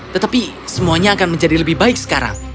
tetapi semuanya akan menjadi lebih baik sekarang